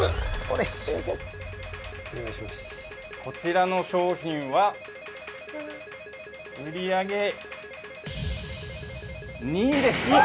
こちらの商品は売り上げ２位です。